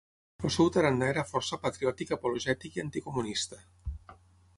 El seu tarannà era força patriòtic apologètic i anticomunista.